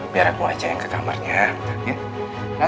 biar aku aja yang ke kamarnya